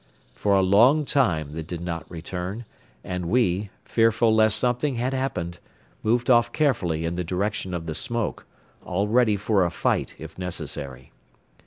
For a long time they did not return and we, fearful lest something had happened, moved off carefully in the direction of the smoke, all ready for a fight if necessary.